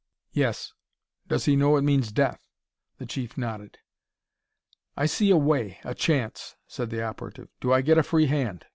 "Yes." "Does he know it means death?" The Chief nodded. "I see a way a chance," said the operative. "Do I get a free hand?"